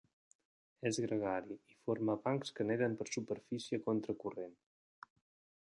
És gregari i forma bancs que neden per superfície contra corrent.